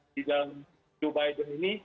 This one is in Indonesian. di dalam joe biden ini